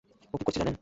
ও কী করেছে জানেন?